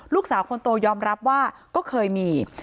ลูกสาวคนโตยอมรับว่าก็เคยมี